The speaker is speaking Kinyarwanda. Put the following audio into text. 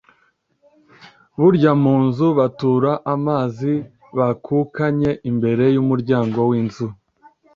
Bajya mu rugo batura amazi bakukanye imbere y'umuryango w’inzu.